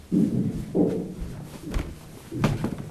নাদিম-শ্রাবণ তাদের কর্মজীবনে একাধিক পুরস্কার অর্জন করেছেন।